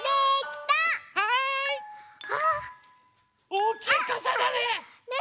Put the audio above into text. おおきいかさだね。